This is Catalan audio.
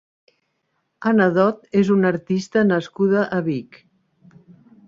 Anna Dot és una artista nascuda a Vic.